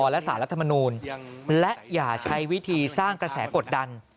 และสารรัฐมนูลและอย่าใช้วิธีสร้างกระแสกดดัน